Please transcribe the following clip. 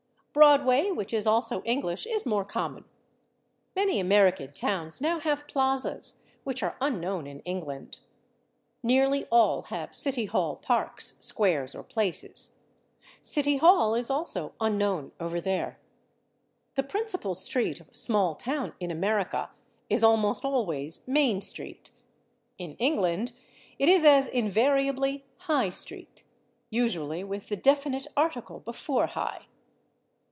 /Broadway/, which is also English, is more common. Many American towns now have /plazas/, which are unknown in England. Nearly all have /City Hall parks/, /squares/ or /places/; /City Hall/ is also unknown over there. The principal street of a small town, in America, is almost always /Main street/; in England it is as invariably /High/ street, usually with the definite article before /High